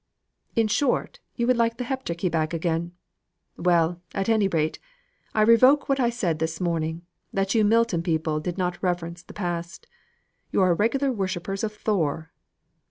"In short, you would like the Heptarchy back again. Well, at any rate, I revoke what I said this morning that you Milton people did not reverence the past. You are regular worshippers of Thor."